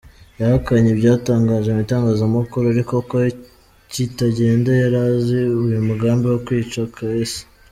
Yahakanye ibyatangajwe mu itangazamakuru ariko ko Kitagenda yari azi uyu mugambi wo kwica Kaweesi.